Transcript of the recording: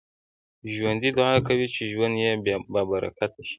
ژوندي دعا کوي چې ژوند يې بابرکته شي